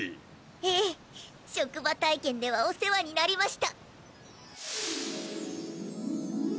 ええ職場体験ではお世話になりました。